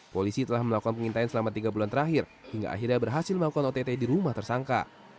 polisi telah melakukan pengintaian selama tiga bulan terakhir hingga akhirnya berhasil melakukan ott di rumah tersangka